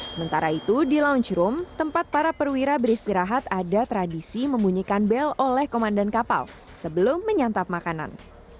sementara itu di launch room tempat para perwira beristirahat ada tradisi membunyikan bel oleh komandan kapal sebelum menyantap makanan